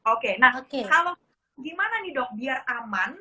oke nah kalau gimana nih dok biar aman